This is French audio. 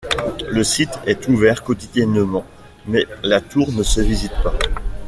Le site est ouvert quotidiennement mais la tour ne se visite pas.